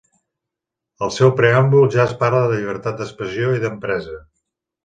Al seu preàmbul ja es parla de llibertat d'expressió i d'empresa.